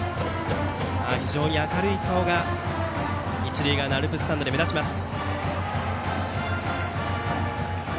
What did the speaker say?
非常に明るい顔が一塁側のアルプススタンドで目立ちます。